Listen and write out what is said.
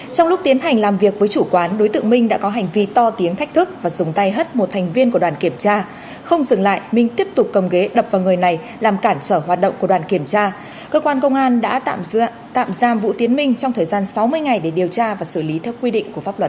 trong lúc tiến hành làm việc với chủ quán đối tượng minh đã có hành vi to tiếng thách thức và dùng tay hất một thành viên của đoàn kiểm tra không dừng lại minh tiếp tục cầm ghế đập vào người này làm cản trở hoạt động của đoàn kiểm tra cơ quan công an đã tạm giam vũ tiến minh trong thời gian sáu mươi ngày để điều tra và xử lý theo quy định của pháp luật